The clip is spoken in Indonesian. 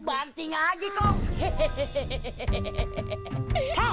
banting aja kong